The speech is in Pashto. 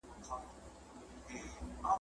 د سترګو تور مي در لېږم جانانه هېر مي نه کې ,